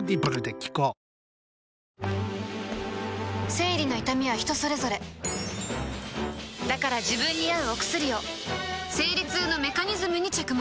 生理の痛みは人それぞれだから自分に合うお薬を生理痛のメカニズムに着目